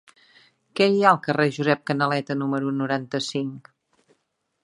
Què hi ha al carrer de Josep Canaleta número noranta-cinc?